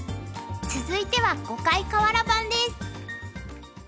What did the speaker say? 続いては「碁界かわら盤」です。